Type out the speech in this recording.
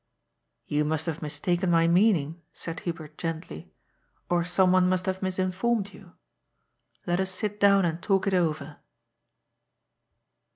" You must have mistaken my meaning," said Hubert gently, " or someone must have misinformed you. Let us sit down and talk it over."